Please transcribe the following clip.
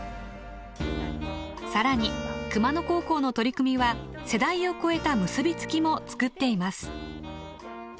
更に熊野高校の取り組みは世代を超えた結び付きも作っています。